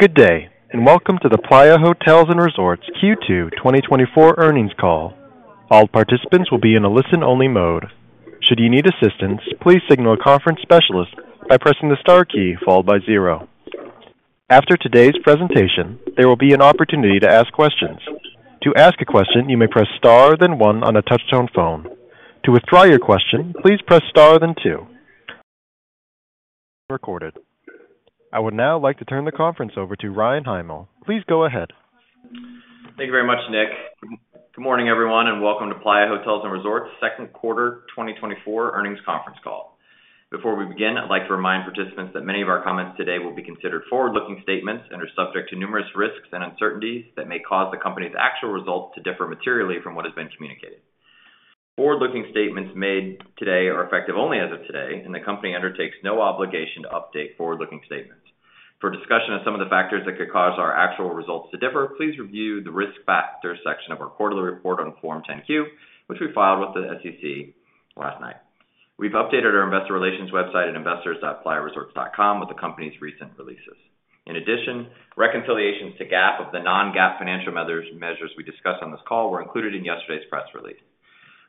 Good day, and welcome to the Playa Hotels and Resorts Q2 2024 earnings call. All participants will be in a listen-only mode. Should you need assistance, please signal a conference specialist by pressing the star key, followed by zero. After today's presentation, there will be an opportunity to ask questions. To ask a question, you may press star, then one on a touchtone phone. To withdraw your question, please press star, then two. Recorded. I would now like to turn the conference over to Ryan Hymel. Please go ahead. Thank you very much, Nick. Good morning, everyone, and welcome to Playa Hotels and Resorts second quarter 2024 earnings conference call. Before we begin, I'd like to remind participants that many of our comments today will be considered forward-looking statements and are subject to numerous risks and uncertainties that may cause the company's actual results to differ materially from what has been communicated. Forward-looking statements made today are effective only as of today, and the company undertakes no obligation to update forward-looking statements. For discussion of some of the factors that could cause our actual results to differ, please review the Risk Factors section of our quarterly report on Form 10-Q, which we filed with the SEC last night. We've updated our investor relations website at investors.playaresorts.com with the company's recent releases. In addition, reconciliations to GAAP of the non-GAAP financial measures we discussed on this call were included in yesterday's press release.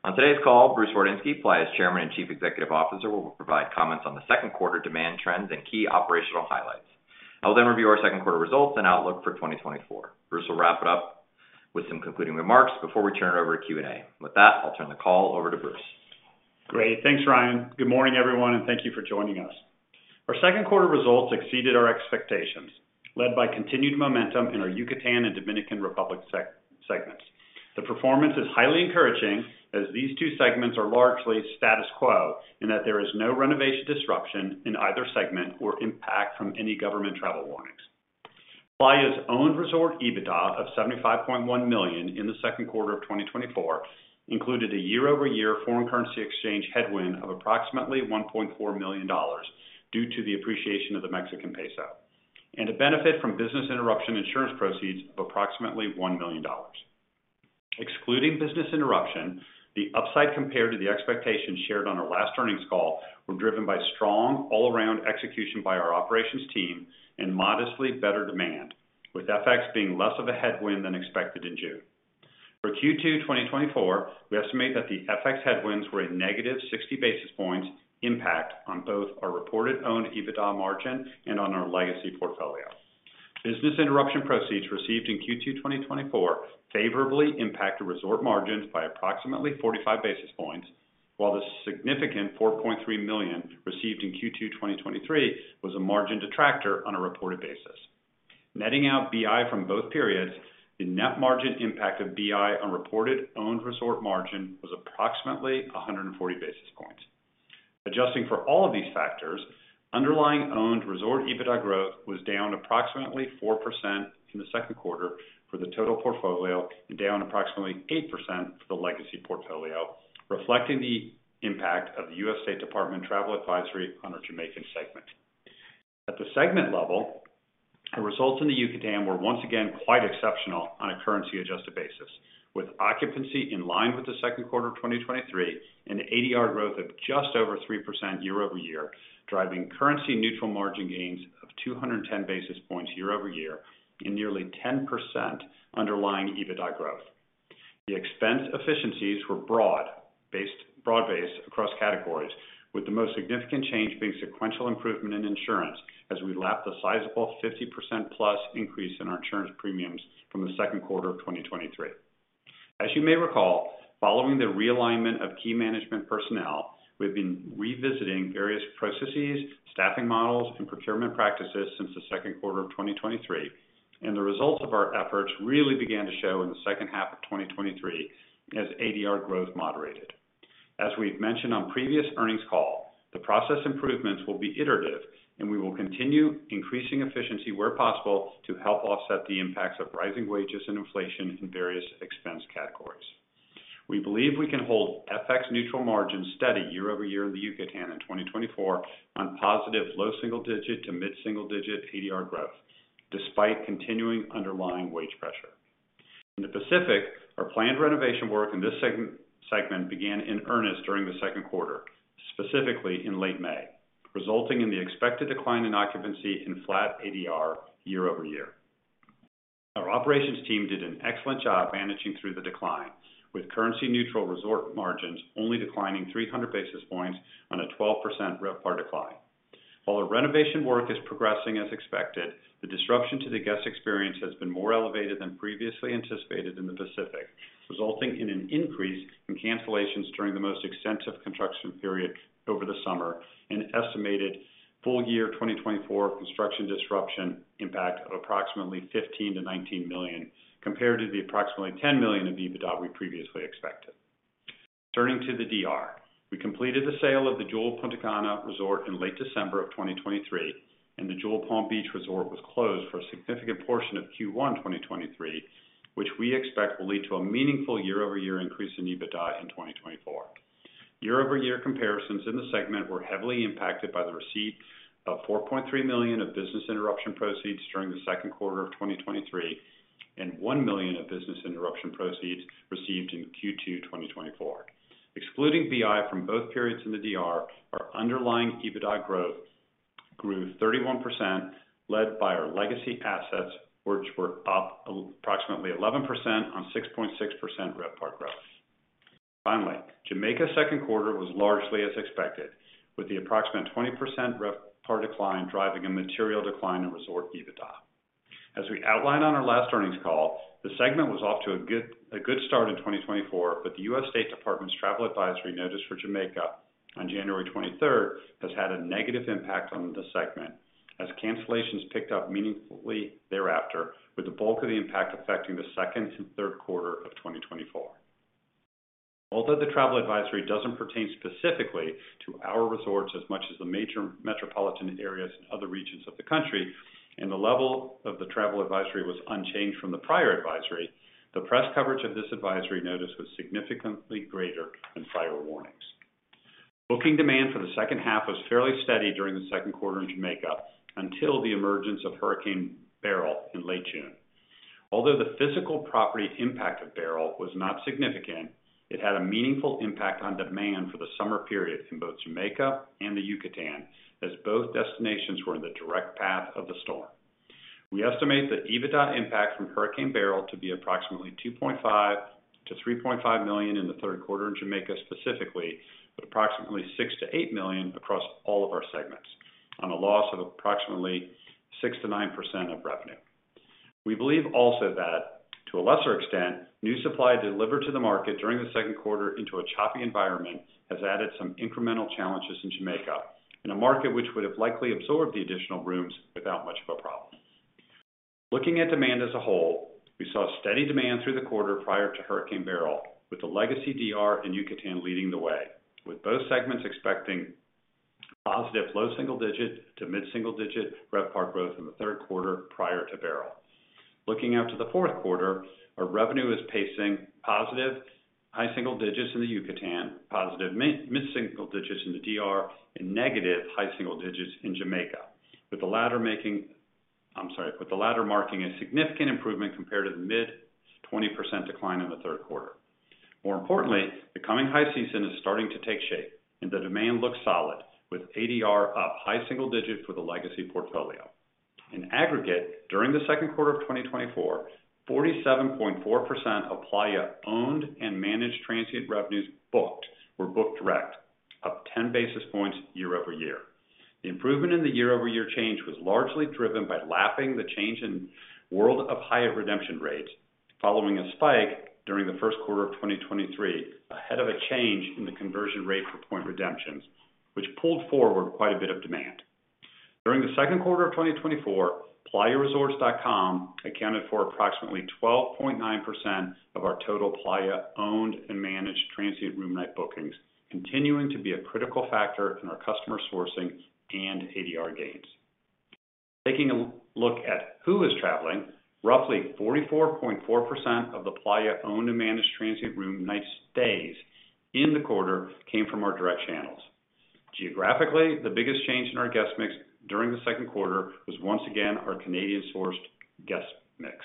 On today's call, Bruce Wardinski, Playa's Chairman and Chief Executive Officer, will provide comments on the second quarter demand trends and key operational highlights. I'll then review our second quarter results and outlook for 2024. Bruce will wrap it up with some concluding remarks before we turn it over to Q&A. With that, I'll turn the call over to Bruce. Great. Thanks, Ryan. Good morning, everyone, and thank you for joining us. Our second quarter results exceeded our expectations, led by continued momentum in our Yucatan and Dominican Republic segments. The performance is highly encouraging, as these two segments are largely status quo, and that there is no renovation disruption in either segment or impact from any government travel warnings. Playa's owned resort EBITDA of $75.1 million in the second quarter of 2024 included a year-over-year foreign currency exchange headwind of approximately $1.4 million due to the appreciation of the Mexican peso, and a benefit from business interruption insurance proceeds of approximately $1 million. Excluding business interruption, the upside compared to the expectations shared on our last earnings call were driven by strong all-around execution by our operations team and modestly better demand, with FX being less of a headwind than expected in June. For Q2 2024, we estimate that the FX headwinds were a negative 60 basis points impact on both our reported owned EBITDA margin and on our legacy portfolio. Business interruption proceeds received in Q2 2024 favorably impacted resort margins by approximately 45 basis points, while the significant $4.3 million received in Q2 2023 was a margin detractor on a reported basis. Netting out BI from both periods, the net margin impact of BI on reported owned resort margin was approximately 140 basis points. Adjusting for all of these factors, underlying owned resort EBITDA growth was down approximately 4% in the second quarter for the total portfolio and down approximately 8% for the legacy portfolio, reflecting the impact of the U.S. State Department travel advisory on our Jamaican segment. At the segment level, the results in the Yucatan were once again quite exceptional on a currency adjusted basis, with occupancy in line with the second quarter of 2023, and ADR growth of just over 3% year-over-year, driving currency neutral margin gains of 210 basis points year-over-year in nearly 10% underlying EBITDA growth. The expense efficiencies were broad-based across categories, with the most significant change being sequential improvement in insurance as we lap the sizable 50%+ increase in our insurance premiums from the second quarter of 2023. As you may recall, following the realignment of key management personnel, we've been revisiting various processes, staffing models, and procurement practices since the second quarter of 2023, and the results of our efforts really began to show in the second half of 2023 as ADR growth moderated. As we've mentioned on previous earnings call, the process improvements will be iterative, and we will continue increasing efficiency where possible to help offset the impacts of rising wages and inflation in various expense categories. We believe we can hold FX neutral margins steady year-over-year in the Yucatan in 2024 on positive low single-digit to mid-single-digit ADR growth, despite continuing underlying wage pressure. In the Pacific, our planned renovation work in this segment began in earnest during the second quarter, specifically in late May, resulting in the expected decline in occupancy and flat ADR year-over-year. Our operations team did an excellent job managing through the decline, with currency-neutral resort margins only declining 300 basis points on a 12% RevPAR decline. While the renovation work is progressing as expected, the disruption to the guest experience has been more elevated than previously anticipated in the Pacific, resulting in an increase in cancellations during the most extensive construction period over the summer, an estimated full-year 2024 construction disruption impact of approximately $15 million-$19 million, compared to the approximately $10 million in EBITDA we previously expected. Turning to the DR, we completed the sale of the Jewel Punta Cana Resort in late December of 2023, and the Jewel Palm Beach Resort was closed for a significant portion of Q1 2023, which we expect will lead to a meaningful year-over-year increase in EBITDA in 2024. Year-over-year comparisons in the segment were heavily impacted by the receipt of $4.3 million of business interruption proceeds during the second quarter of 2023... and $1 million of business interruption proceeds received in Q2 2024. Excluding BI from both periods in the DR, our underlying EBITDA growth grew 31%, led by our legacy assets, which were up approximately 11% on 6.6% RevPAR growth. Finally, Jamaica's second quarter was largely as expected, with the approximate 20% RevPAR decline, driving a material decline in resort EBITDA. As we outlined on our last earnings call, the segment was off to a good start in 2024, but the U.S. State Department's travel advisory notice for Jamaica on January 23rd has had a negative impact on the segment, as cancellations picked up meaningfully thereafter, with the bulk of the impact affecting the second and third quarter of 2024. Although the travel advisory doesn't pertain specifically to our resorts as much as the major metropolitan areas and other regions of the country, and the level of the travel advisory was unchanged from the prior advisory, the press coverage of this advisory notice was significantly greater than prior warnings. Booking demand for the second half was fairly steady during the second quarter in Jamaica, until the emergence of Hurricane Beryl in late June. Although the physical property impact of Beryl was not significant, it had a meaningful impact on demand for the summer period in both Jamaica and the Yucatan, as both destinations were in the direct path of the storm. We estimate the EBITDA impact from Hurricane Beryl to be approximately $2.5 million-$3.5 million in the third quarter in Jamaica specifically, but approximately $6 million-$8 million across all of our segments, on a loss of approximately 6%-9% of revenue. We believe also that, to a lesser extent, new supply delivered to the market during the second quarter into a choppy environment, has added some incremental challenges in Jamaica, in a market which would have likely absorbed the additional rooms without much of a problem. Looking at demand as a whole, we saw steady demand through the quarter prior to Hurricane Beryl, with the legacy DR and Yucatan leading the way, with both segments expecting positive low single digit to mid single digit RevPAR growth in the third quarter prior to Beryl. Looking out to the fourth quarter, our revenue is pacing positive high single digits in the Yucatan, positive mid single digits in the DR, and negative high single digits in Jamaica. With the latter marking a significant improvement compared to the mid-20% decline in the third quarter. More importantly, the coming high season is starting to take shape, and the demand looks solid, with ADR up high single digits for the legacy portfolio. In aggregate, during the second quarter of 2024, 47.4% of Playa owned and managed transient revenues booked were booked direct, up 10 basis points year-over-year. The improvement in the year-over-year change was largely driven by lapping the change in World of Hyatt redemption rates, following a spike during the first quarter of 2023, ahead of a change in the conversion rate for point redemptions, which pulled forward quite a bit of demand. During the second quarter of 2024, playaresorts.com accounted for approximately 12.9% of our total Playa owned and managed transient room night bookings, continuing to be a critical factor in our customer sourcing and ADR gains. Taking a look at who is traveling, roughly 44.4% of the Playa owned and managed transient room night stays in the quarter, came from our direct channels. Geographically, the biggest change in our guest mix during the second quarter was once again our Canadian-sourced guest mix,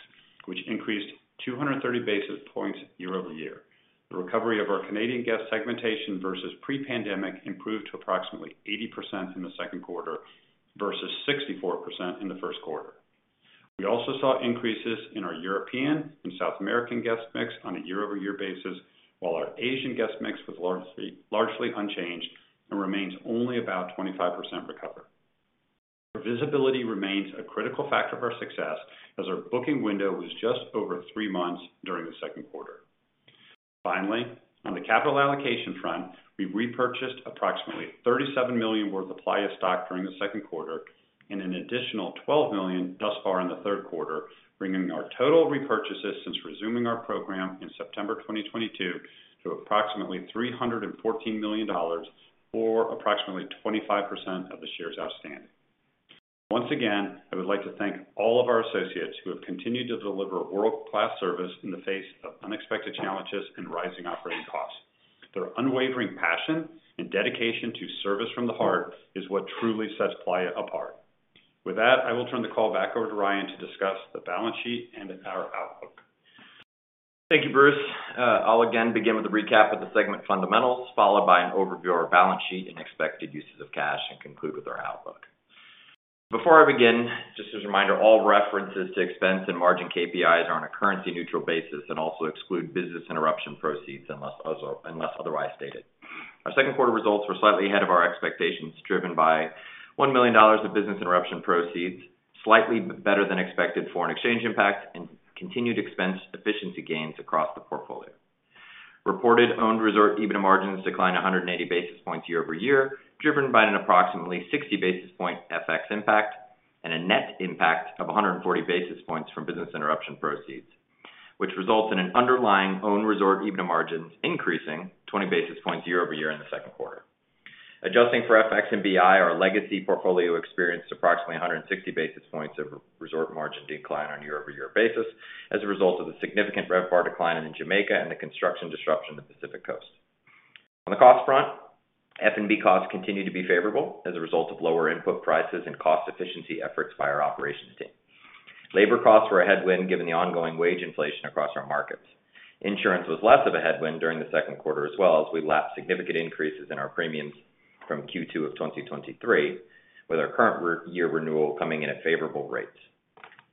which increased 230 basis points year-over-year. The recovery of our Canadian guest segmentation versus pre-pandemic, improved to approximately 80% in the second quarter, versus 64% in the first quarter. We also saw increases in our European and South American guest mix on a year-over-year basis, while our Asian guest mix was largely unchanged and remains only about 25% recovered. Visibility remains a critical factor of our success as our booking window was just over 3 months during the second quarter. Finally, on the capital allocation front, we repurchased approximately $37 million worth of Playa stock during the second quarter, and an additional $12 million thus far in the third quarter, bringing our total repurchases since resuming our program in September 2022, to approximately $314 million, or approximately 25% of the shares outstanding. Once again, I would like to thank all of our associates who have continued to deliver world-class service in the face of unexpected challenges and rising operating costs. Their unwavering passion and dedication to service from the heart is what truly sets Playa apart. With that, I will turn the call back over to Ryan to discuss the balance sheet and our outlook. Thank you, Bruce. I'll again begin with a recap of the segment fundamentals, followed by an overview of our balance sheet and expected uses of cash, and conclude with our outlook. Before I begin, just as a reminder, all references to expense and margin KPIs are on a currency neutral basis and also exclude business interruption proceeds unless otherwise stated. Our second quarter results were slightly ahead of our expectations, driven by $1 million of business interruption proceeds, slightly better than expected foreign exchange impact, and continued expense efficiency gains across the portfolio. Reported owned resort EBITDA margins declined 180 basis points year-over-year, driven by an approximately 60 basis point FX impact, and a net impact of 140 basis points from business interruption proceeds, which results in an underlying own resort EBITDA margins increasing 20 basis points year-over-year in the second quarter. Adjusting for FX and BI, our legacy portfolio experienced approximately 160 basis points of resort margin decline on a year-over-year basis, as a result of the significant RevPAR decline in Jamaica and the construction disruption to the Pacific Coast.... On the cost front, F&B costs continue to be favorable as a result of lower input prices and cost efficiency efforts by our operations team. Labor costs were a headwind, given the ongoing wage inflation across our markets. Insurance was less of a headwind during the second quarter as well, as we lapped significant increases in our premiums from Q2 of 2023, with our current policy year renewal coming in at favorable rates.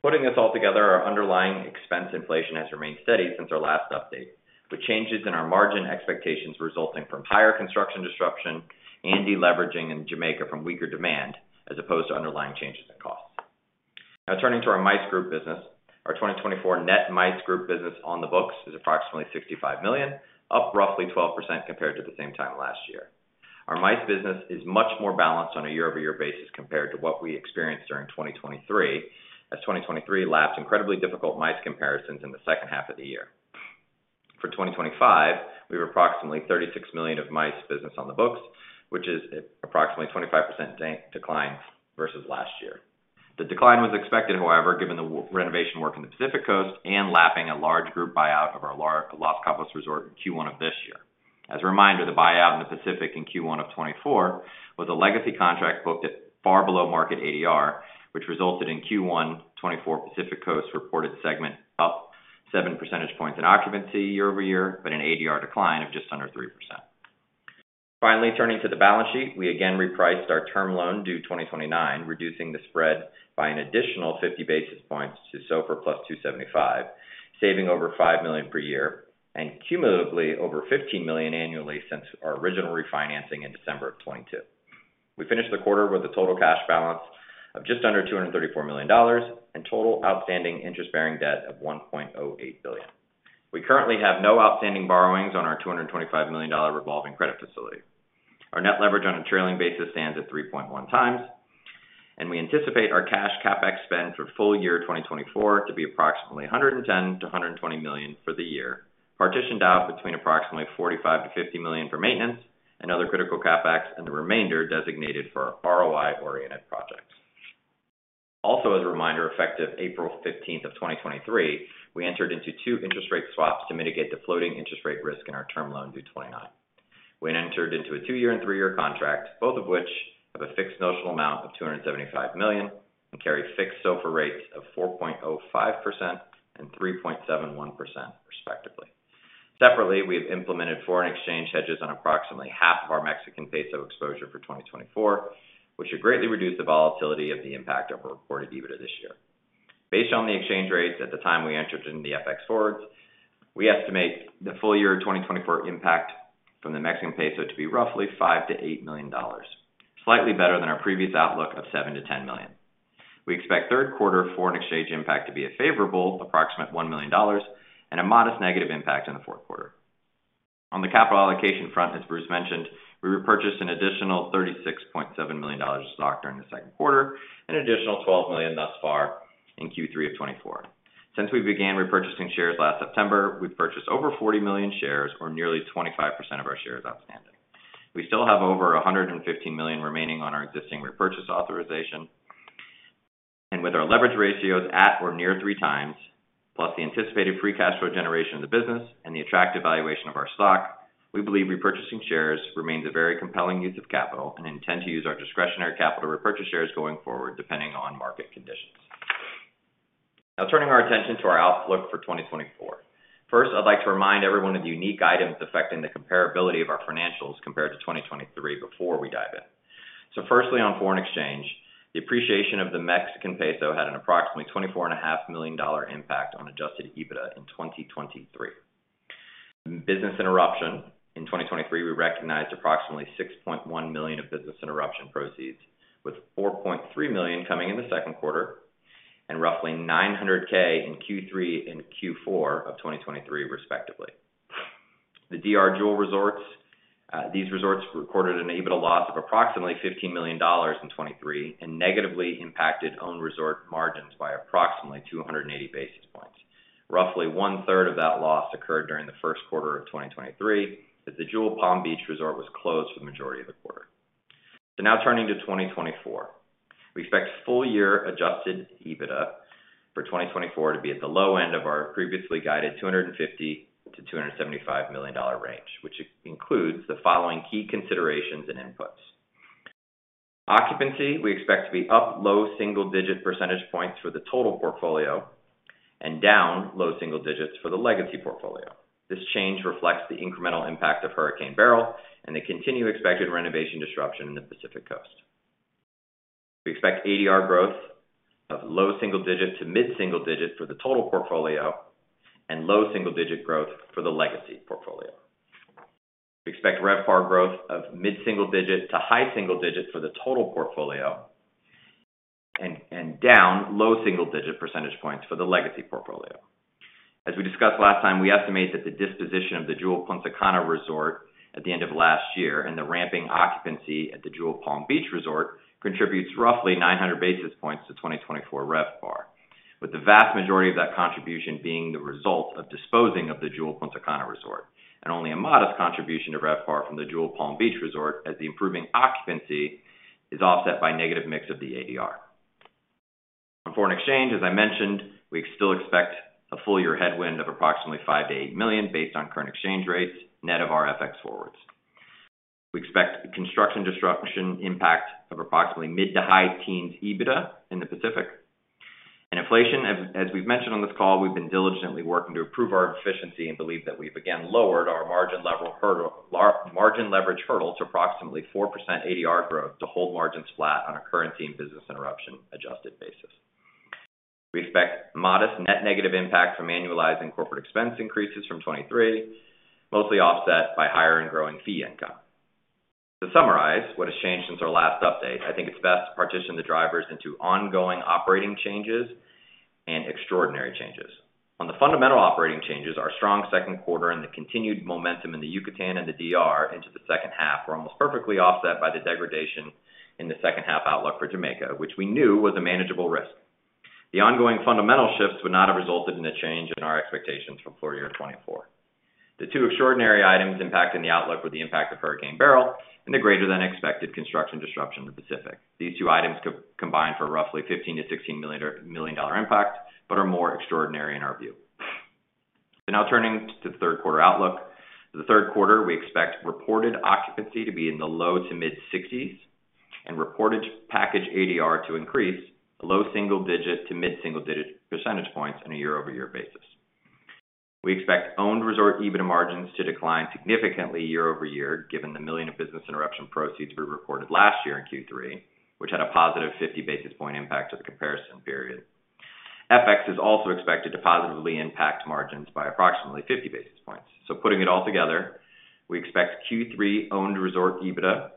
Putting this all together, our underlying expense inflation has remained steady since our last update, with changes in our margin expectations resulting from higher construction disruption and deleveraging in Jamaica from weaker demand, as opposed to underlying changes in costs. Now turning to our MICE group business. Our 2024 net MICE group business on the books is approximately $65 million, up roughly 12% compared to the same time last year. Our MICE business is much more balanced on a year-over-year basis compared to what we experienced during 2023, as 2023 lapped incredibly difficult MICE comparisons in the second half of the year. For 2025, we have approximately $36 million of MICE business on the books, which is approximately 25% decline versus last year. The decline was expected, however, given the renovation work in the Pacific Coast and lapping a large group buyout of our Los Cabos resort in Q1 of this year. As a reminder, the buyout in the Pacific in Q1 of 2024 was a legacy contract booked at far below market ADR, which resulted in Q1 2024 Pacific Coast reported segment up 7 percentage points in occupancy year-over-year, but an ADR decline of just under 3%. Finally, turning to the balance sheet. We again repriced our term loan due 2029, reducing the spread by an additional 50 basis points to SOFR plus 275, saving over $5 million per year, and cumulatively over $15 million annually since our original refinancing in December 2022. We finished the quarter with a total cash balance of just under $234 million, and total outstanding interest-bearing debt of $1.08 billion. We currently have no outstanding borrowings on our $225 million revolving credit facility. Our net leverage on a trailing basis stands at 3.1 times, and we anticipate our cash CapEx spend for full year 2024 to be approximately $110 million-$120 million for the year, partitioned out between approximately $45 million-$50 million for maintenance and other critical CapEx, and the remainder designated for our ROI-oriented projects. Also, as a reminder, effective April fifteenth of 2023, we entered into two interest rate swaps to mitigate the floating interest rate risk in our term loan due 2029. We then entered into a two-year and three-year contract, both of which have a fixed notional amount of $275 million, and carry fixed SOFR rates of 4.05% and 3.71% respectively. Separately, we have implemented foreign exchange hedges on approximately half of our Mexican peso exposure for 2024, which should greatly reduce the volatility of the impact of our reported EBITDA this year. Based on the exchange rates at the time we entered into the FX forwards, we estimate the full year 2024 impact from the Mexican peso to be roughly $5 million-$8 million, slightly better than our previous outlook of $7 million-$10 million. We expect third quarter foreign exchange impact to be a favorable approximate $1 million and a modest negative impact in the fourth quarter. On the capital allocation front, as Bruce mentioned, we repurchased an additional $36.7 million of stock during the second quarter, an additional $12 million thus far in Q3 of 2024. Since we began repurchasing shares last September, we've purchased over 40 million shares, or nearly 25% of our shares outstanding. We still have over 115 million remaining on our existing repurchase authorization, and with our leverage ratios at or near 3 times, plus the anticipated free cash flow generation of the business and the attractive valuation of our stock, we believe repurchasing shares remains a very compelling use of capital, and intend to use our discretionary capital to repurchase shares going forward, depending on market conditions. Now turning our attention to our outlook for 2024. First, I'd like to remind everyone of the unique items affecting the comparability of our financials compared to 2023 before we dive in. So firstly, on foreign exchange, the appreciation of the Mexican peso had an approximately $24.5 million impact on Adjusted EBITDA in 2023. Business interruption. In 2023, we recognized approximately $6.1 million of business interruption proceeds, with $4.3 million coming in the second quarter and roughly $900,000 in Q3 and Q4 of 2023, respectively. The DR Jewel Resorts, these resorts recorded an EBITDA loss of approximately $15 million in 2023, and negatively impacted own resort margins by approximately 280 basis points. Roughly one third of that loss occurred during the first quarter of 2023, as the Jewel Palm Beach Resort was closed for the majority of the quarter. So now turning to 2024. We expect full-year Adjusted EBITDA for 2024 to be at the low end of our previously guided $250 million-$275 million range, which includes the following key considerations and inputs. Occupancy, we expect to be up low-single-digit percentage points for the total portfolio and down low single digits for the legacy portfolio. This change reflects the incremental impact of Hurricane Beryl and the continued expected renovation disruption in the Pacific Coast. We expect ADR growth of low single digits to mid single digits for the total portfolio, and low single digit growth for the legacy portfolio. We expect RevPAR growth of mid-single digits to high single digits for the total portfolio, and down low single digit percentage points for the legacy portfolio. As we discussed last time, we estimate that the disposition of the Jewel Punta Cana resort at the end of last year and the ramping occupancy at the Jewel Palm Beach Resort contributes roughly 900 basis points to 2024 RevPAR, with the vast majority of that contribution being the result of disposing of the Jewel Punta Cana resort, and only a modest contribution to RevPAR from the Jewel Palm Beach Resort, as the improving occupancy is offset by negative mix of the ADR. On foreign exchange, as I mentioned, we still expect a full year headwind of approximately $5 million-$8 million based on current exchange rates, net of our FX forwards. We expect construction disruption impact of approximately mid- to high-teens EBITDA in the Pacific. Inflation, as we've mentioned on this call, we've been diligently working to improve our efficiency and believe that we've again lowered our margin leverage hurdle to approximately 4% ADR growth to hold margins flat on a currency and business interruption adjusted basis. We expect modest net negative impact from annualizing corporate expense increases from 2023, mostly offset by higher and growing fee income. To summarize what has changed since our last update, I think it's best to partition the drivers into ongoing operating changes and extraordinary changes. On the fundamental operating changes, our strong second quarter and the continued momentum in the Yucatan and the DR into the second half were almost perfectly offset by the degradation in the second half outlook for Jamaica, which we knew was a manageable risk. The ongoing fundamental shifts would not have resulted in a change in our expectations for full year 2024. The two extraordinary items impacting the outlook were the impact of Hurricane Beryl and the greater than expected construction disruption in the Pacific. These two items combined for roughly $15 million-$16 million impact, but are more extraordinary in our view. So now turning to the third quarter outlook. For the third quarter, we expect reported occupancy to be in the low to mid-60s, and reported package ADR to increase low single-digit to mid single-digit percentage points on a year-over-year basis. We expect owned resort EBITDA margins to decline significantly year-over-year, given the $1 million of business interruption proceeds we reported last year in Q3, which had a positive 50 basis points impact to the comparison period. FX is also expected to positively impact margins by approximately 50 basis points. Putting it all together, we expect Q3 owned resort EBITDA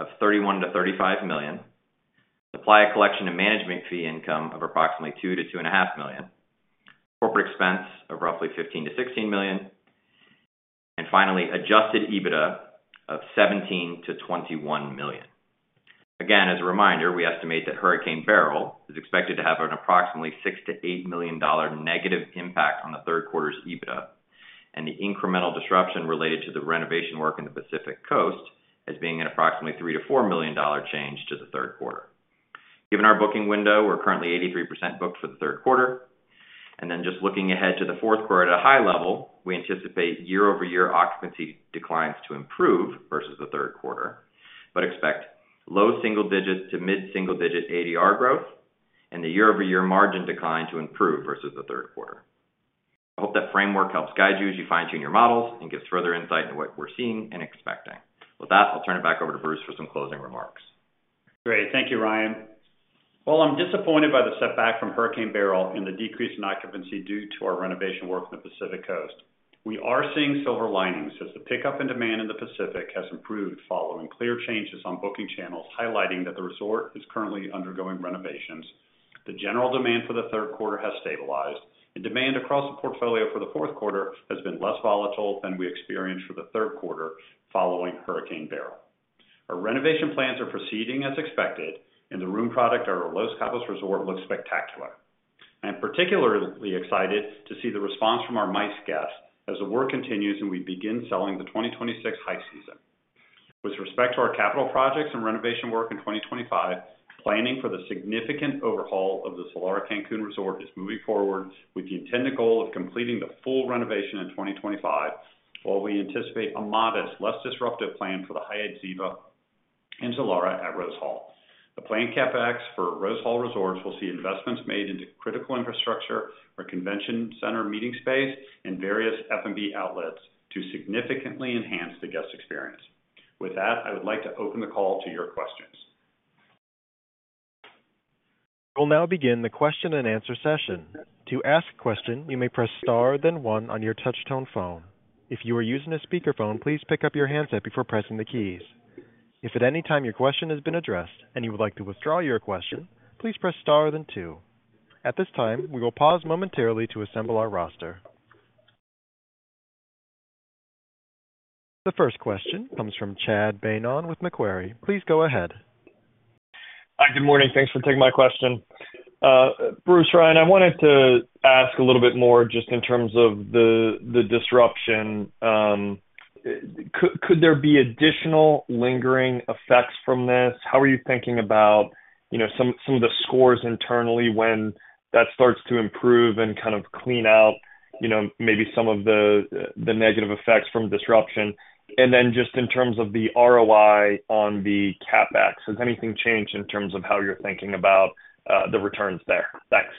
of $31 million-$35 million, supplier collection and management fee income of approximately $2 million-$2.5 million, corporate expense of roughly $15 million-$16 million, and finally, adjusted EBITDA of $17 million-$21 million. Again, as a reminder, we estimate that Hurricane Beryl is expected to have an approximately $6 million-$8 million negative impact on the third quarter's EBITDA, and the incremental disruption related to the renovation work in the Pacific Coast as being an approximately $3 million-$4 million change to the third quarter. Given our booking window, we're currently 83% booked for the third quarter, and then just looking ahead to the fourth quarter at a high level, we anticipate year-over-year occupancy declines to improve versus the third quarter, but expect low single digits to mid-single-digit ADR growth and the year-over-year margin decline to improve versus the third quarter. I hope that framework helps guide you as you fine-tune your models and gives further insight into what we're seeing and expecting. With that, I'll turn it back over to Bruce for some closing remarks. Great. Thank you, Ryan. While I'm disappointed by the setback from Hurricane Beryl and the decrease in occupancy due to our renovation work on the Pacific Coast, we are seeing silver linings as the pickup in demand in the Pacific has improved following clear changes on booking channels, highlighting that the resort is currently undergoing renovations. The general demand for the third quarter has stabilized, and demand across the portfolio for the fourth quarter has been less volatile than we experienced for the third quarter following Hurricane Beryl. Our renovation plans are proceeding as expected, and the room product at our Los Cabos resort looks spectacular. I'm particularly excited to see the response from our MICE guests as the work continues, and we begin selling the 2026 high season. With respect to our capital projects and renovation work in 2025, planning for the significant overhaul of the Zilara Cancun resort is moving forward. We intend the goal of completing the full renovation in 2025, while we anticipate a modest, less disruptive plan for the Hyatt Ziva and Zilara at Rose Hall. The planned CapEx for Rose Hall Resorts will see investments made into critical infrastructure, our convention center meeting space, and various F&B outlets to significantly enhance the guest experience. With that, I would like to open the call to your questions. We'll now begin the question and answer session. To ask a question, you may press star, then one on your touchtone phone. If you are using a speakerphone, please pick up your handset before pressing the keys. If at any time your question has been addressed and you would like to withdraw your question, please press star, then two. At this time, we will pause momentarily to assemble our roster. The first question comes from Chad Beynon with Macquarie. Please go ahead. Hi, good morning. Thanks for taking my question. Bruce, Ryan, I wanted to ask a little bit more just in terms of the, the disruption. Could there be additional lingering effects from this? How are you thinking about, you know, some, some of the scores internally when that starts to improve and kind of clean out, you know, maybe some of the, the negative effects from disruption? And then just in terms of the ROI on the CapEx, has anything changed in terms of how you're thinking about, the returns there? Thanks.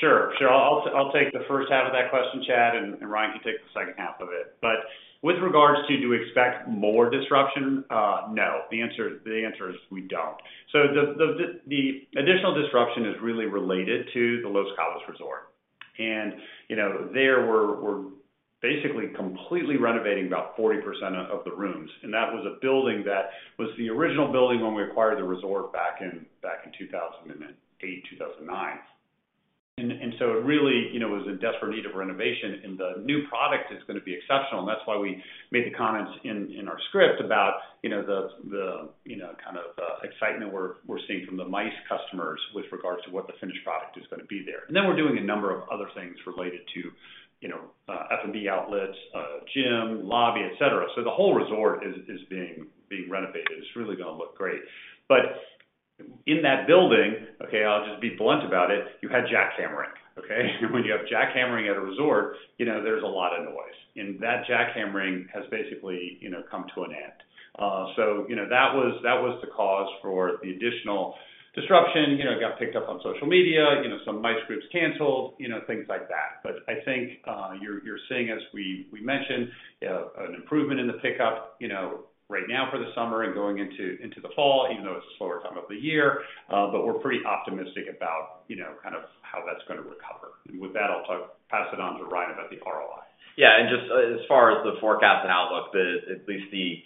Sure. I'll take the first half of that question, Chad, and Ryan can take the second half of it. But with regards to, do we expect more disruption? No. The answer is we don't. So the additional disruption is really related to the Los Cabos resort. And, you know, there we're basically completely renovating about 40% of the rooms, and that was a building that was the original building when we acquired the resort back in 2008, 2009. And so it really, you know, was in desperate need of renovation, and the new product is going to be exceptional. And that's why we made the comments in our script about, you know, the excitement we're seeing from the MICE customers with regards to what the finished product is going to be there. And then we're doing a number of other things related to, you know, F&B outlets, gym, lobby, et cetera. So the whole resort is being renovated. It's really going to look great. But in that building, okay, I'll just be blunt about it, you had jackhammering, okay? And when you have jackhammering at a resort, you know, there's a lot of noise. And that jackhammering has basically, you know, come to an end. So, you know, that was the cause for the additional disruption. You know, it got picked up on social media, you know, some MICE groups canceled, you know, things like that. But I think, you're seeing, as we mentioned, an improvement in the pickup, you know, right now for the summer and going into the fall, even though it's a slower time of the year. But we're pretty optimistic about, you know, kind of how that's gonna recover. And with that, I'll pass it on to Ryan about the ROI. Yeah, and just as far as the forecast and outlook, at least the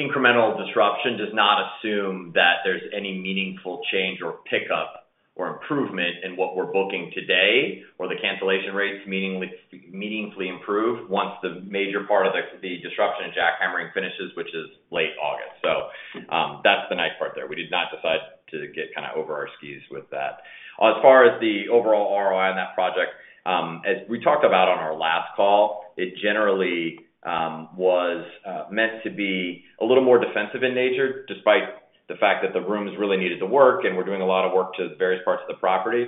incremental disruption does not assume that there's any meaningful change or pickup or improvement in what we're booking today, or the cancellation rates meaningfully improve once the major part of the disruption and jackhammering finishes, which is late August. So, that's the nice part there. We did not decide to get kind of over our skews with that. As far as the overall ROI on that project, as we talked about on our last call, it generally was meant to be a little more defensive in nature, despite the fact that the rooms really needed the work, and we're doing a lot of work to the various parts of the property.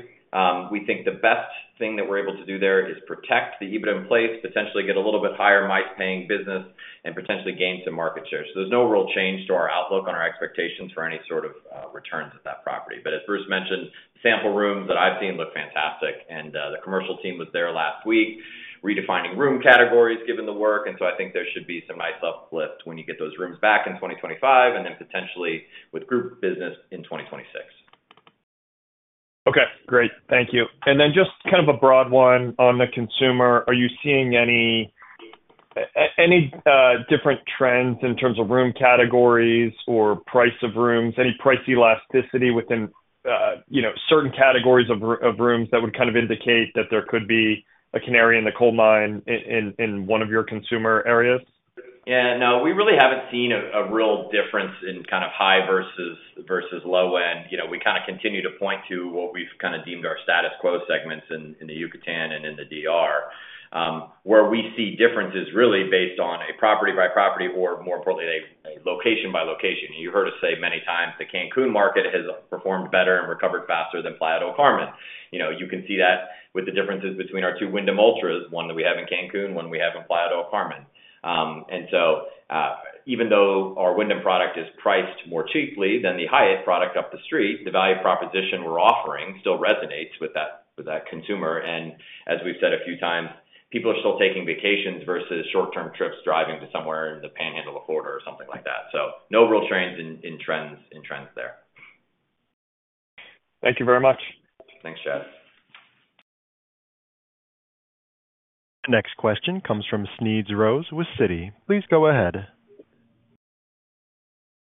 We think the best thing that we're able to do there is protect the EBITDA in place, potentially get a little bit higher MICE paying business, and potentially gain some market share. So there's no real change to our outlook on our expectations for any sort of returns at that property. But as Bruce mentioned, sample rooms that I've seen look fantastic, and the commercial team was there last week, redefining room categories, given the work. And so I think there should be some nice uplift when you get those rooms back in 2025, and then potentially with group business in 2026. Okay, great. Thank you. And then just kind of a broad one on the consumer. Are you seeing any any different trends in terms of room categories or price of rooms? Any price elasticity within, you know, certain categories of of rooms that would kind of indicate that there could be a canary in the coal mine in one of your consumer areas? Yeah, no, we really haven't seen a real difference in kind of high versus low end. You know, we kind of continue to point to what we've kind of deemed our status quo segments in the Yucatan and in the DR. Where we see differences really based on a property by property or more importantly, a location by location. You heard us say many times, the Cancun market has performed better and recovered faster than Playa del Carmen. You know, you can see that with the differences between our two Wyndham Alltras, one that we have in Cancun, one we have in Playa del Carmen. And so, even though our Wyndham product is priced more cheaply than the Hyatt product up the street, the value proposition we're offering still resonates with that consumer. As we've said a few times, people are still taking vacations versus short-term trips, driving to somewhere in the panhandle of Florida or something like that. So no real trends in trends there. Thank you very much. Thanks, Chad. Next question comes from Smedes Rose with Citi. Please go ahead.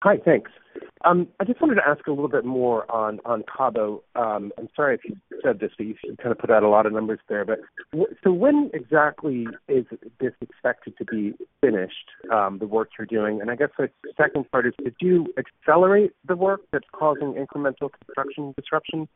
Hi, thanks. I just wanted to ask a little bit more on Cabo. I'm sorry if you said this, but you kind of put out a lot of numbers there. But so when exactly is this expected to be finished, the work you're doing? And I guess the second part is, did you accelerate the work that's causing incremental construction disruption?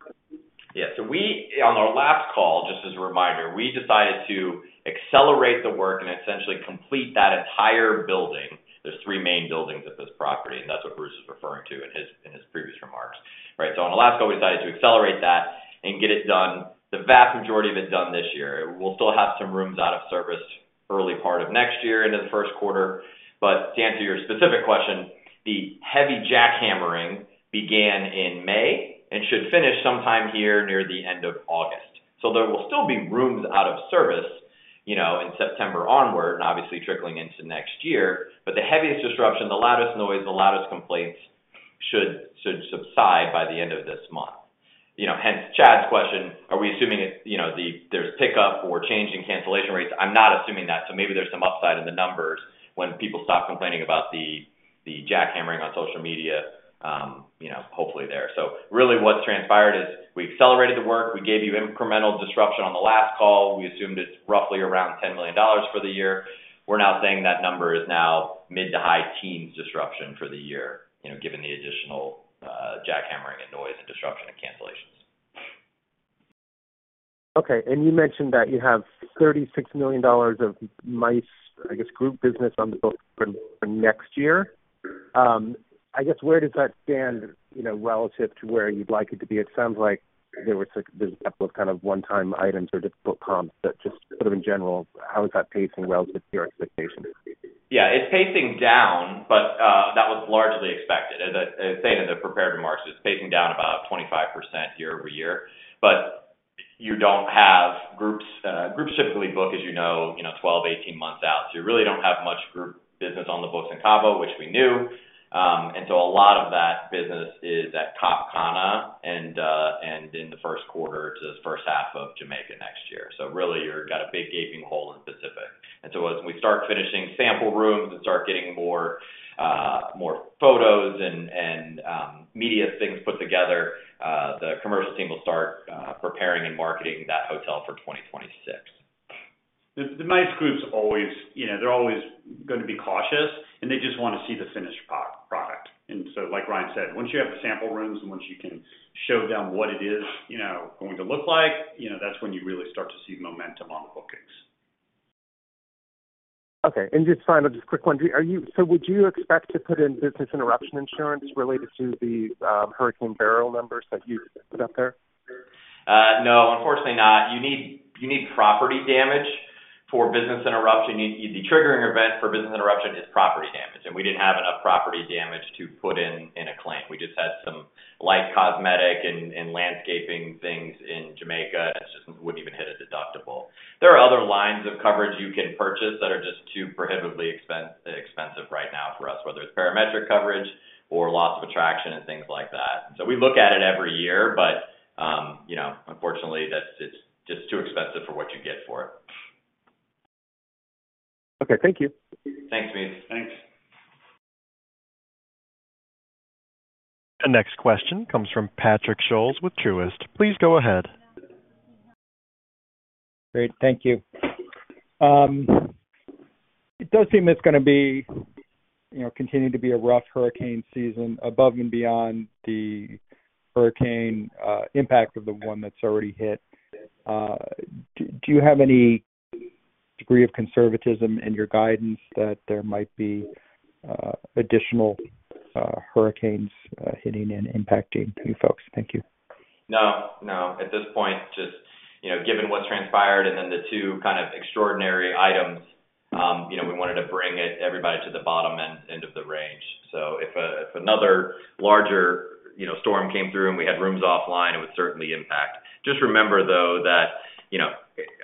Yeah. So, on our last call, just as a reminder, we decided to accelerate the work and essentially complete that entire building. There's three main buildings at this property, and that's what Bruce is referring to in his previous remarks, right? So on our last call, we decided to accelerate that and get it done. The vast majority of it done this year. We'll still have some rooms out of service early part of next year into the first quarter. But to answer your specific question, the heavy jackhammering began in May and should finish sometime here near the end of August. So there will still be rooms out of service, you know, in September onward, and obviously trickling into next year. But the heaviest disruption, the loudest noise, the loudest complaints should subside by the end of this month. You know, hence, Chad's question, are we assuming it, you know, the—there's pickup or change in cancellation rates? I'm not assuming that. So maybe there's some upside in the numbers when people stop complaining about the jackhammering on social media, you know, hopefully there. So really what's transpired is we accelerated the work. We gave you incremental disruption on the last call. We assumed it's roughly around $10 million for the year. We're now saying that number is now mid- to high-teens disruption for the year, you know, given the additional jackhammering and noise and disruption and cancellations. Okay. And you mentioned that you have $36 million of MICE, I guess, group business on the books for next year. I guess, where does that stand, you know, relative to where you'd like it to be? It sounds like there's a couple of kind of one-time items or difficult comps, but just sort of in general, how is that pacing relative to your expectations? Yeah, it's pacing down, but that was largely expected. As I say in the prepared remarks, it's pacing down about 25% year-over-year. But you don't have groups, groups typically book, as you know, you know, 12, 18 months out. So you really don't have much group business on the books in Cabo, which we knew. And so a lot of that business is at Cap Cana and in the first quarter to the first half of Jamaica next year. So really, you're got a big gaping hole in the Pacific. And so as we start finishing sample rooms and start getting more, more photos and, and media things put together, the commercial team will start preparing and marketing that hotel for 2026. The MICE group's always, you know, they're always gonna be cautious, and they just wanna see the finished product. And so, like Ryan said, once you have the sample rooms and once you can show them what it is, you know, going to look like, you know, that's when you really start to see momentum on the bookings.... Okay, and just final, just quick one. Do you, are you -- so would you expect to put in business interruption insurance related to the Hurricane Beryl numbers that you put up there? No, unfortunately not. You need property damage for business interruption. The triggering event for business interruption is property damage, and we didn't have enough property damage to put in a claim. We just had some light cosmetic and landscaping things in Jamaica. It just wouldn't even hit a deductible. There are other lines of coverage you can purchase that are just too prohibitively expensive right now for us, whether it's parametric coverage or loss of attraction and things like that. So we look at it every year, but, you know, unfortunately, that's. It's just too expensive for what you get for it. Okay, thank you. Thanks, Smedes. Thanks. The next question comes from Patrick Scholes with Truist. Please go ahead. Great, thank you. It does seem it's gonna be, you know, continuing to be a rough hurricane season, above and beyond the hurricane impact of the one that's already hit. Do you have any degree of conservatism in your guidance that there might be additional hurricanes hitting and impacting you folks? Thank you. No, no. At this point, just, you know, given what transpired and then the two kind of extraordinary items, you know, we wanted to bring everybody to the bottom end of the range. So if another larger, you know, storm came through and we had rooms offline, it would certainly impact. Just remember, though, that, you know,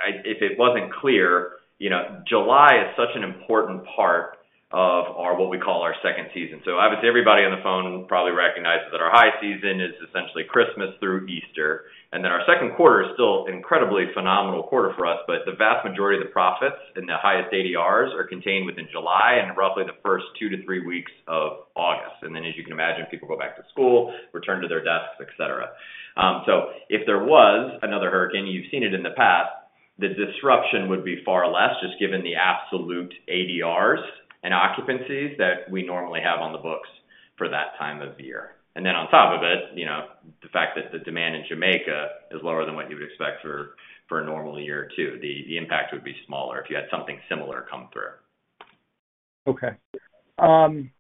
I if it wasn't clear, you know, July is such an important part of our, what we call our second season. So obviously, everybody on the phone probably recognizes that our high season is essentially Christmas through Easter, and then our second quarter is still incredibly phenomenal quarter for us. But the vast majority of the profits and the highest ADRs are contained within July and roughly the first two to three weeks of August. And then, as you can imagine, people go back to school, return to their desks, et cetera. So if there was another hurricane, you've seen it in the past, the disruption would be far less, just given the absolute ADRs and occupancies that we normally have on the books for that time of year. And then on top of it, you know, the fact that the demand in Jamaica is lower than what you would expect for a normal year, too. The impact would be smaller if you had something similar come through. Okay. And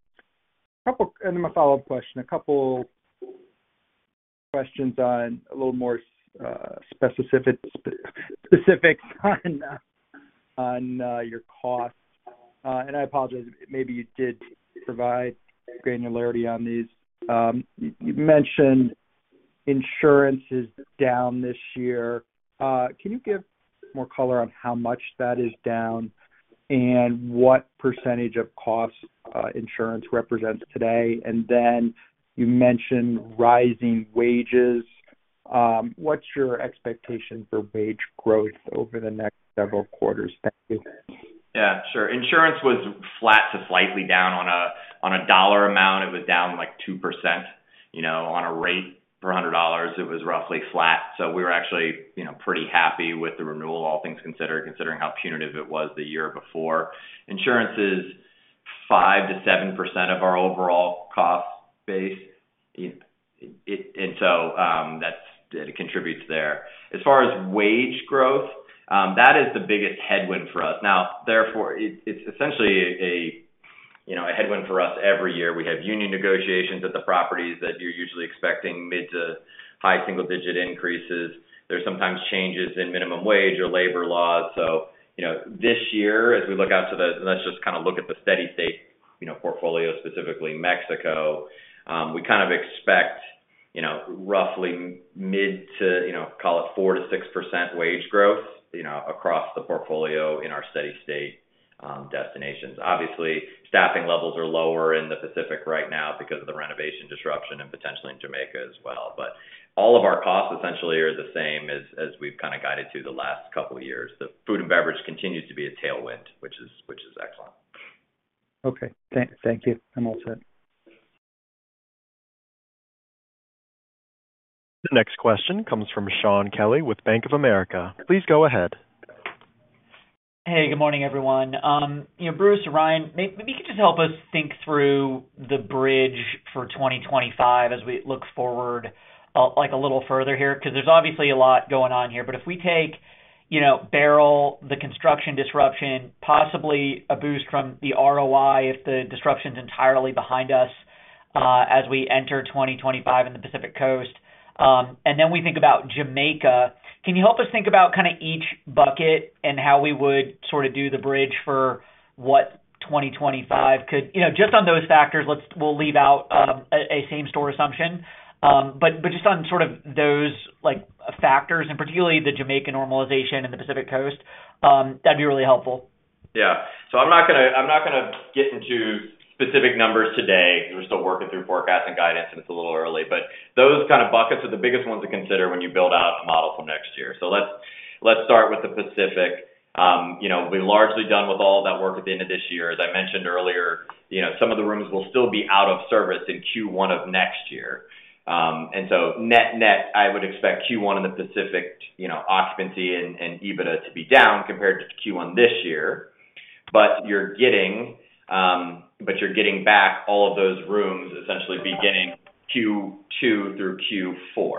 my follow-up question, a couple questions on a little more specific on your costs. And I apologize, maybe you did provide granularity on these. You mentioned insurance is down this year. Can you give more color on how much that is down and what percentage of cost insurance represents today? And then you mentioned rising wages. What's your expectation for wage growth over the next several quarters? Thank you. Yeah, sure. Insurance was flat to slightly down. On a dollar amount, it was down, like, 2%, you know, on a rate per hundred dollars, it was roughly flat. So we were actually, you know, pretty happy with the renewal, all things considered, considering how punitive it was the year before. Insurance is 5%-7% of our overall cost base. It, and so, that's, it contributes there. As far as wage growth, that is the biggest headwind for us. It's essentially a, you know, a headwind for us every year. We have union negotiations at the properties that you're usually expecting mid to high single digit increases. There's sometimes changes in minimum wage or labor laws. So, you know, this year, as we look out to the... Let's just kind of look at the steady state, you know, portfolio, specifically Mexico. We kind of expect, you know, roughly mid- to 4%-6% wage growth, you know, across the portfolio in our steady state destinations. Obviously, staffing levels are lower in the Pacific right now because of the renovation disruption and potentially in Jamaica as well. But all of our costs essentially are the same as we've kind of guided through the last couple of years. The food and beverage continues to be a tailwind, which is excellent. Okay. Thank you. I'm all set. The next question comes from Shaun Kelley with Bank of America. Please go ahead. Hey, good morning, everyone. You know, Bruce, Ryan, maybe you could just help us think through the bridge for 2025 as we look forward, like a little further here, because there's obviously a lot going on here. But if we take, you know, Beryl, the construction disruption, possibly a boost from the ROI, if the disruption's entirely behind us, as we enter 2025 in the Pacific Coast, and then we think about Jamaica, can you help us think about kind of each bucket and how we would sort of do the bridge for what 2025 could. You know, just on those factors, let's we'll leave out a same store assumption. But just on sort of those, like, factors and particularly the Jamaican normalization and the Pacific Coast, that'd be really helpful. Yeah. So I'm not gonna, I'm not gonna get into specific numbers today. We're still working through forecasts and guidance, and it's a little early, but those kind of buckets are the biggest ones to consider when you build out a model for next year. So let's start with the Pacific. You know, we're largely done with all of that work at the end of this year. As I mentioned earlier, you know, some of the rooms will still be out of service in Q1 of next year. And so net, I would expect Q1 in the Pacific, you know, occupancy and EBITDA to be down compared to Q1 this year. But you're getting back all of those rooms, essentially beginning Q2 through Q4.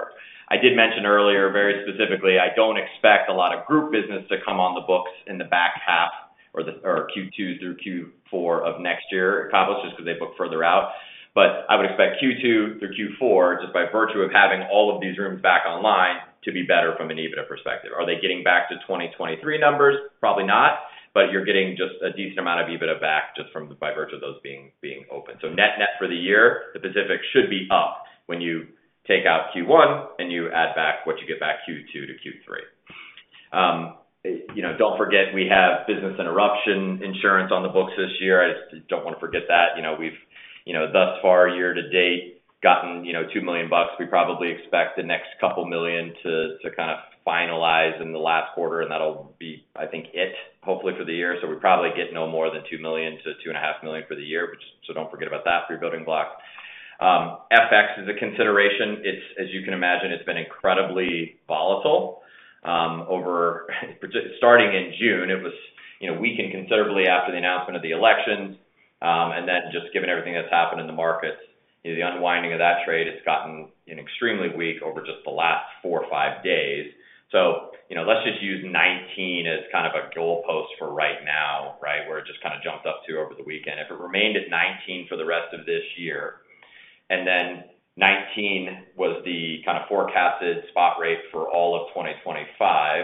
I did mention earlier, very specifically, I don't expect a lot of group business to come on the books in the back half or Q2 through Q4 of next year, probably just because they book further out. But I would expect Q2 through Q4, just by virtue of having all of these rooms back online, to be better from an EBITDA perspective. Are they getting back to 2023 numbers? Probably not, but you're getting just a decent amount of EBITDA back just from, by virtue of those being open. So net-net for the year, the Pacific should be up when you take out Q1 and you add back what you get back Q2 to Q3. You know, don't forget, we have business interruption insurance on the books this year. I just don't wanna forget that. You know, we've, you know, thus far, year to date, gotten, you know, $2 million. We probably expect the next $2 million to kind of finalize in the last quarter, and that'll be, I think, it hopefully for the year. So we probably get no more than $2 million-$2.5 million for the year, which, so don't forget about that for your building block. FX is a consideration. It's as you can imagine, it's been incredibly volatile, over, starting in June. It was, you know, weakened considerably after the announcement of the elections. And then just given everything that's happened in the markets, you know, the unwinding of that trade has gotten extremely weak over just the last four or five days. So, you know, let's just use 19 as kind of a goalpost for right now, right? Where it just kind of jumped up to over the weekend. If it remained at 19 for the rest of this year, and then 19 was the kind of forecasted spot rate for all of 2025,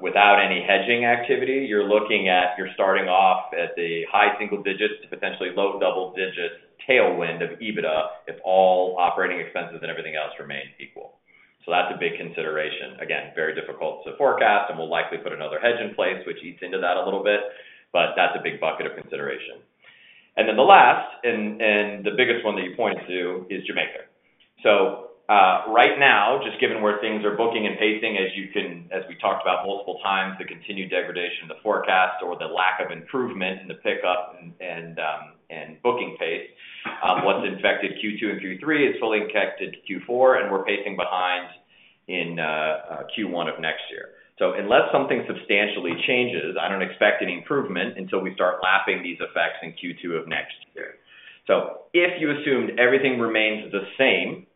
without any hedging activity, you're looking at—you're starting off at the high single digits to potentially low double digits tailwind of EBITDA, if all operating expenses and everything else remains equal. So that's a big consideration. Again, very difficult to forecast, and we'll likely put another hedge in place, which eats into that a little bit, but that's a big bucket of consideration. And then the last, and the biggest one that you pointed to, is Jamaica. So, right now, just given where things are booking and pacing, as we talked about multiple times, the continued degradation in the forecast or the lack of improvement in the pickup and booking pace, what's infected Q2 and Q3 is fully infected Q4, and we're pacing behind in Q1 of next year. So unless something substantially changes, I don't expect any improvement until we start lapping these effects in Q2 of next year. So if you assumed everything remains the same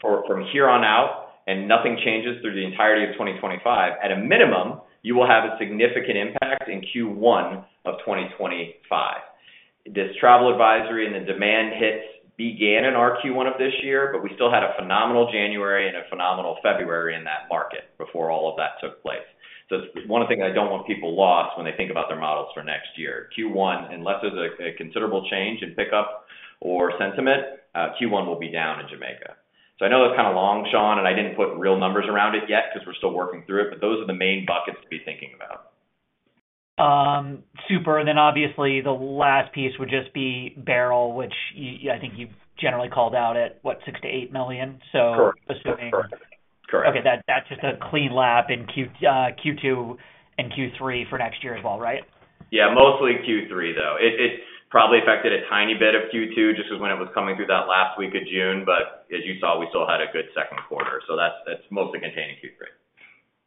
from here on out and nothing changes through the entirety of 2025, at a minimum, you will have a significant impact in Q1 of 2025. This travel advisory and the demand hits began in our Q1 of this year, but we still had a phenomenal January and a phenomenal February in that market before all of that took place. So it's one of the things I don't want people lost when they think about their models for next year. Q1, unless there's a considerable change in pickup or sentiment, Q1 will be down in Jamaica. So I know that's kind of long, Shaun, and I didn't put real numbers around it yet because we're still working through it, but those are the main buckets to be thinking about. Super. And then obviously, the last piece would just be Beryl, which I think you've generally called out at, what? $6 million-$8 million, so- Correct. Assuming. Correct. Okay, that's just a clean lap in Q2 and Q3 for next year as well, right? Yeah, mostly Q3, though. It, it probably affected a tiny bit of Q2, just when it was coming through that last week of June. But as you saw, we still had a good second quarter, so that's, that's mostly contained in Q3.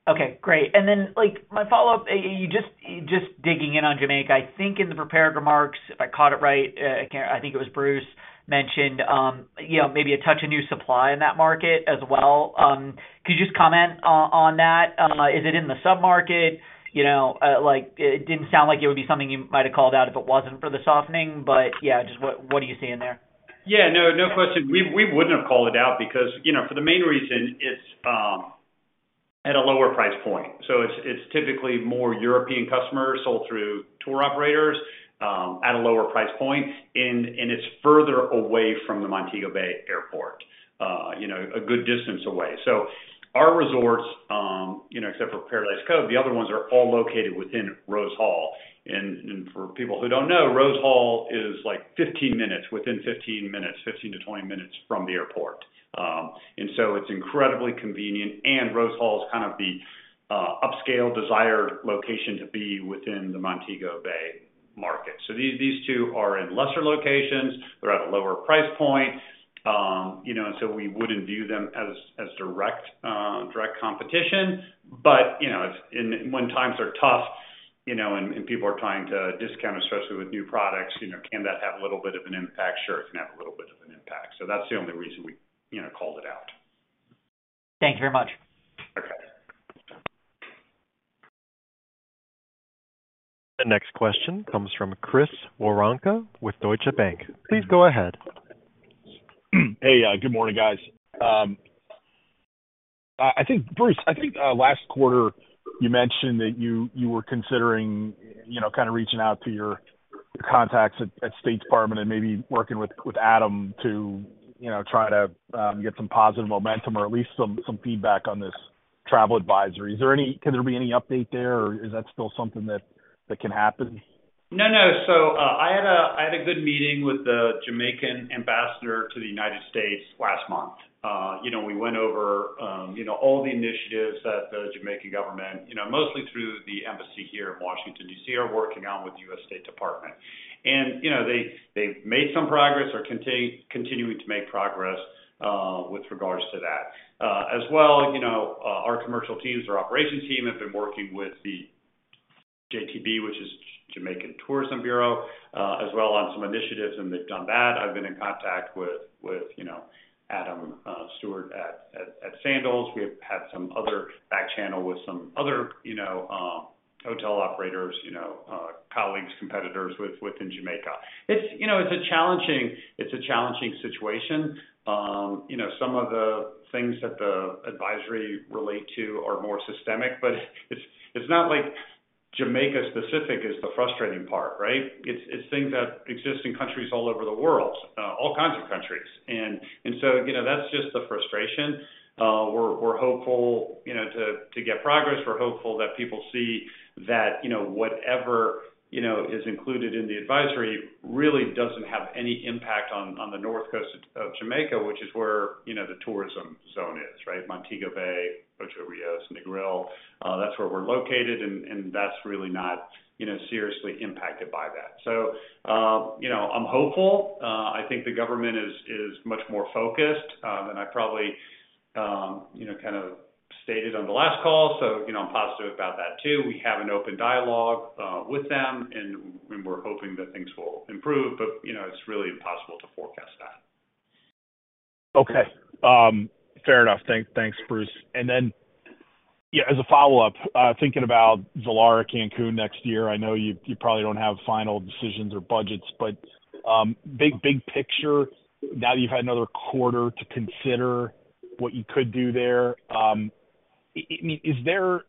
Okay, great. And then, like, my follow-up, you just digging in on Jamaica, I think in the prepared remarks, if I caught it right, again, I think it was Bruce, mentioned, you know, maybe a touch of new supply in that market as well. Could you just comment on that? Is it in the submarket? You know, like, it didn't sound like it would be something you might have called out if it wasn't for the softening, but yeah, just what are you seeing there? Yeah, no, no question. We wouldn't have called it out because, you know, for the main reason, it's at a lower price point. So it's typically more European customers sold through tour operators at a lower price point, and it's further away from the Montego Bay Airport, you know, a good distance away. So our resorts, you know, except for Paradise Cove, the other ones are all located within Rose Hall. And for people who don't know, Rose Hall is like 15 minutes, within 15 minutes, 15-20 minutes from the airport. And so it's incredibly convenient, and Rose Hall is kind of the upscale desired location to be within the Montego Bay market. So these two are in lesser locations. They're at a lower price point. You know, and so we wouldn't view them as direct competition. But, you know, it's, and when times are tough, you know, and people are trying to discount, especially with new products, you know, can that have a little bit of an impact? Sure, it can have a little bit of an impact. So that's the only reason we, you know, called it out. Thank you very much. Okay. The next question comes from Chris Woronka with Deutsche Bank. Please go ahead. Hey, good morning, guys. I think, Bruce, I think last quarter you mentioned that you were considering, you know, kind of reaching out to your contacts at State Department and maybe working with Adam to, you know, try to get some positive momentum or at least some feedback on this travel advisory. Can there be any update there, or is that still something that can happen? No, no. So, I had a good meeting with the Jamaican ambassador to the United States last month. You know, we went over, you know, all the initiatives that the Jamaican government, you know, mostly through the embassy here in Washington, D.C., are working on with U.S. State Department. You know, they, they've made some progress or continuing to make progress with regards to that. As well, you know, our commercial teams, our operations team, have been working with the-... JTB, which is Jamaican Tourism Bureau, as well on some initiatives, and they've done that. I've been in contact with, you know, Adam Stewart at Sandals. We have had some other back channel with some other, you know, hotel operators, you know, colleagues, competitors within Jamaica. It's, you know, a challenging situation. You know, some of the things that the advisory relate to are more systemic, but it's not like Jamaica specific is the frustrating part, right? It's things that exist in countries all over the world, all kinds of countries. And so, you know, that's just the frustration. We're hopeful, you know, to get progress. We're hopeful that people see that, you know, whatever, you know, is included in the advisory really doesn't have any impact on the north coast of Jamaica, which is where, you know, the tourism zone is, right? Montego Bay, Ocho Rios, Negril. That's where we're located, and that's really not, you know, seriously impacted by that. So, you know, I'm hopeful. I think the government is much more focused, and I probably, you know, kind of stated on the last call, so, you know, I'm positive about that, too. We have an open dialogue with them, and we're hoping that things will improve, but, you know, it's really impossible to forecast that. Okay. Fair enough. Thanks, Bruce. And then, yeah, as a follow-up, thinking about Zilara Cancun next year, I know you, you probably don't have final decisions or budgets, but, big, big picture, now that you've had another quarter to consider what you could do there, I mean, is there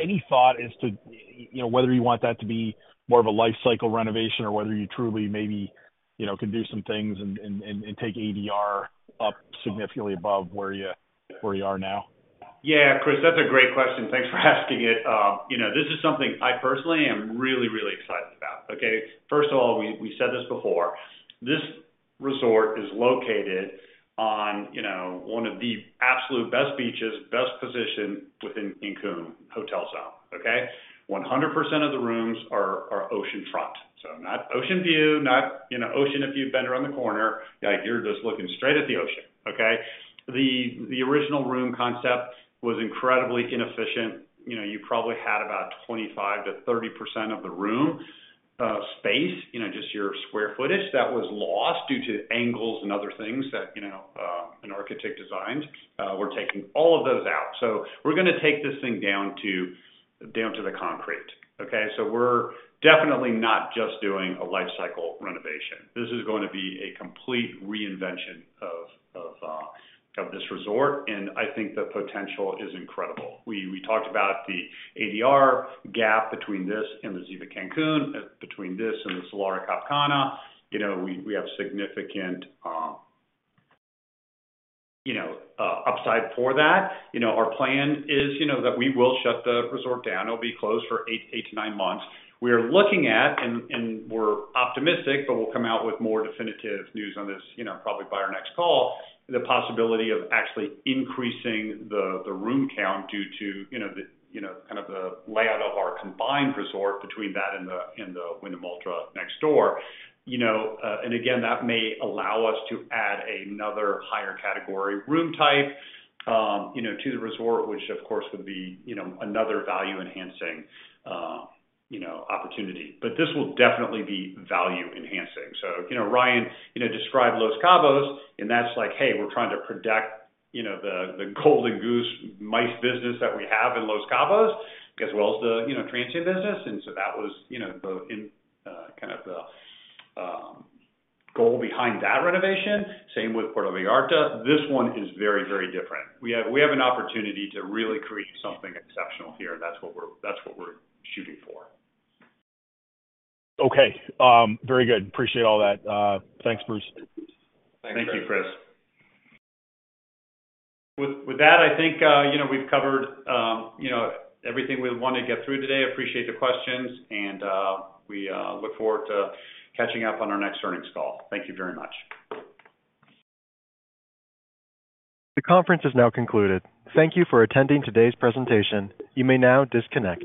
any thought as to, you know, whether you want that to be more of a life cycle renovation or whether you truly maybe, you know, can do some things and take ADR up significantly above where you, where you are now? Yeah, Chris, that's a great question. Thanks for asking it. You know, this is something I personally am really, really excited about, okay? First of all, we said this before, this resort is located on, you know, one of the absolute best beaches, best position within Cancun hotel zone, okay? 100% of the rooms are oceanfront, so not ocean view, not, you know, ocean if you bend around the corner. Like, you're just looking straight at the ocean, okay? The original room concept was incredibly inefficient. You know, you probably had about 25%-30% of the room space, you know, just your square footage, that was lost due to angles and other things that, you know, an architect designed. We're taking all of those out. So we're gonna take this thing down to the concrete, okay? So we're definitely not just doing a life cycle renovation. This is going to be a complete reinvention of this resort, and I think the potential is incredible. We talked about the ADR gap between this and the Ziva Cancun, between this and the Zilara Cap Cana. You know, we have significant, you know, upside for that. You know, our plan is, you know, that we will shut the resort down. It'll be closed for 8-9 months. We are looking at, and we're optimistic, but we'll come out with more definitive news on this, you know, probably by our next call, the possibility of actually increasing the room count due to, you know, kind of the layout of our combined resort between that and the Wyndham Alltra next door. You know, and again, that may allow us to add another higher category room type, you know, to the resort, which, of course, would be, you know, another value-enhancing, you know, opportunity. But this will definitely be value enhancing. So, you know, Ryan, you know, described Los Cabos, and that's like, hey, we're trying to protect, you know, the, the golden goose MICE business that we have in Los Cabos, as well as the, you know, transient business, and so that was, you know, kind of the goal behind that renovation. Same with Puerto Vallarta. This one is very, very different. We have, we have an opportunity to really create something exceptional here, and that's what we're, that's what we're shooting for. Okay, very good. Appreciate all that. Thanks, Bruce. Thank you, Chris. With that, I think, you know, we've covered, you know, everything we want to get through today. Appreciate the questions, and we look forward to catching up on our next earnings call. Thank you very much. The conference is now concluded. Thank you for attending today's presentation. You may now disconnect.